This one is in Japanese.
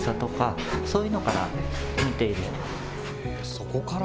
そこから。